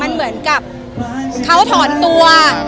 มันเหมือนกับเขาถอนตัว